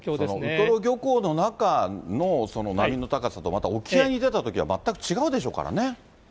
ウトロ漁港の中の波の高さと、また沖合に出たときは全く違うでしょうからね。